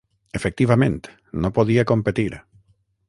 Efectivament, no podia competir.